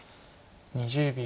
２０秒。